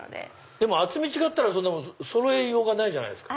でも厚み違ったらそろえようがないじゃないですか。